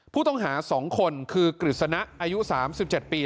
ผู้ต้องหา๒คนคือกฤษณะอายุ๓๗ปี